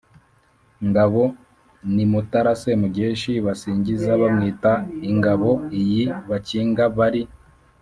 ngabo: ni mutara semugeshi basingiza bamwita ingabo iyi bakinga bari